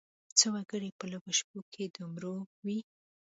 څه وګړي په لږو شپو کې د عمرو وي.